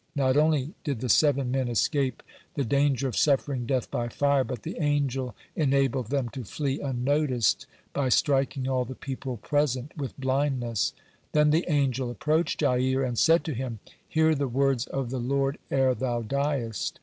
Not only did the seven men escape the danger of suffering death by fire, but the angel enabled them to flee unnoticed, by striking all the people present with blindness. Then the angel approached Jair, and said to him: "Hear the words of the Lord ere thou diest.